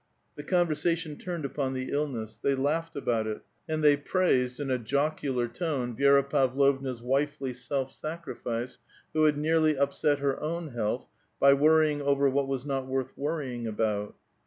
The conversation turned upon the illness. They laughed about it ; and they praised, in a jocu lar tone, Vi6ra Pavlovna's wifely self sacrifice, who had nearly upset her own health by worrying over what was not worth worrying about.